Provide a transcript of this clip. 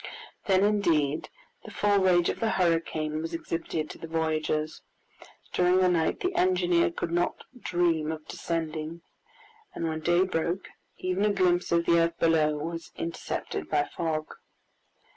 Then, indeed, the full rage of the hurricane was exhibited to the voyagers. During the night the engineer could not dream of descending, and when day broke, even a glimpse of the earth below was intercepted by fog.